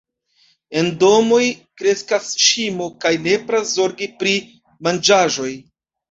En domoj kreskas ŝimo kaj nepras zorgi pri manĝaĵoj.